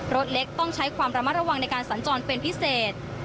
รถเล็กต้องใช้ความระมัดระวังในการสัญจรเป็นพิเศษ